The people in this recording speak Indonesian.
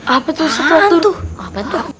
apa tuh suku hantu apaan tuh